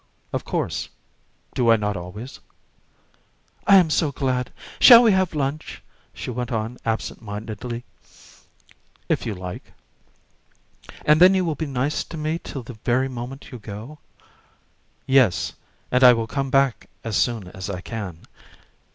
"Of course. Do I not always?" "I am so glad! Shall we have lunch?" she went on absentmindedly. "If you like." "And then you will be nice to me till the very moment you go?" "Yes; and I will come back as soon as I can."